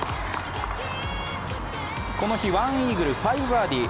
この日１イーグル・５バーディー。